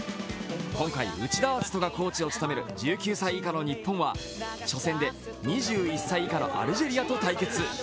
今回、内田篤人がコーチを務める１９歳以下の日本は初戦で２１歳以下のアルジェリアと対決。